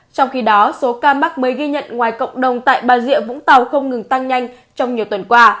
trong khi đó số ca mắc mới ghi nhận ngoài cộng đồng tại bà rịa vũng tàu không ngừng tăng nhanh trong nhiều tuần qua